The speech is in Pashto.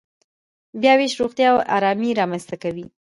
بیاوېش روغتیا او ارامي رامنځته کوي.